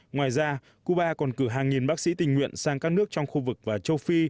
ngoài ra cuba còn cử hàng nghìn bác sĩ tình nguyện sang các nước trong khu vực và châu phi